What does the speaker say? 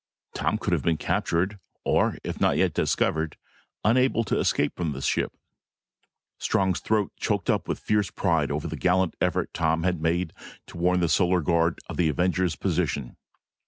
Tom could have been captured, or if not yet discovered, unable to escape from the ship. Strong's throat choked up with fierce pride over the gallant effort Tom had made to warn the Solar Guard of the Avenger's position.